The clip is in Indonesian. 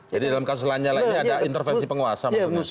jadi dalam kasus lanyala ini ada intervensi penguasa maksudnya